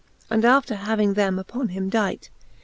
And after having them upon him dight.